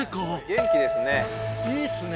元気ですね。